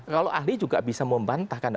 kalau ahli juga bisa membantahkan